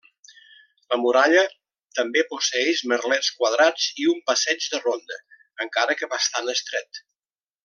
La muralla també posseeix merlets quadrats i un passeig de ronda, encara que bastant estret.